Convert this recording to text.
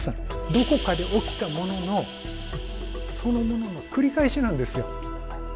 どこかで起きたもののそのものの繰り返しなんですよ。